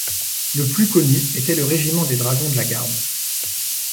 Le plus connu était le régiment des dragons de la garde.